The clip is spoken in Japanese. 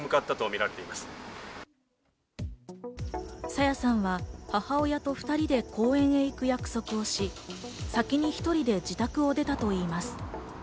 朝芽さんは母親と２人で公園へ行く約束をし、先に１人で自宅を出たといいます。